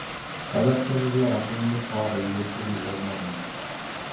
გადარჩენილია რამდენიმე ქვა რელიეფური ორნამენტით.